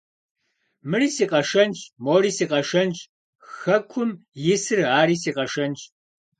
Мыри си къэшэнщ! Мори си къэшэнщ! Хэкум исыр ари си къэшэнщ!